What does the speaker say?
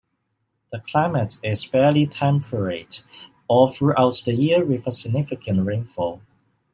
The climate is fairly temperate all throughout the year with a significant rainfall.